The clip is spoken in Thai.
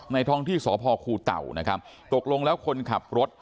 ท้องที่สพคูเต่านะครับตกลงแล้วคนขับรถ